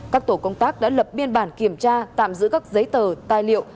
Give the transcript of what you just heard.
các tổ công tác đã lập biên bản kiểm tra tạm giữ các giấy tờ tài liệu